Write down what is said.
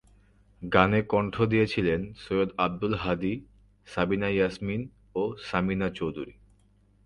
গানে কণ্ঠ দিয়েছিলেন সৈয়দ আব্দুল হাদী, সাবিনা ইয়াসমিন ও সামিনা চৌধুরী।